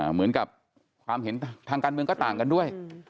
เหมือนกับความเห็นทางการเมืองก็ต่างกันด้วย